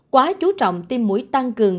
quá chú trọng tiêm mũi tăng cường